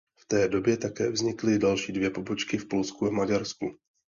V té době také vznikly další dvě pobočky v Polsku a Maďarsku.